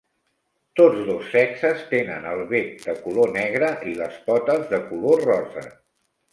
Tots dos sexes tenen el bec de color negre i les potes de color rosa.